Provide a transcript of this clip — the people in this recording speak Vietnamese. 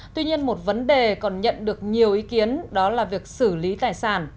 tuy nhiên một vấn đề còn nhận được nhiều ý kiến đó là việc xử lý tài sản